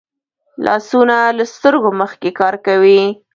لاسونه له سترګو مخکې کار کوي